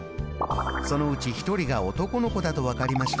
そのうち１人が男の子だと分かりました。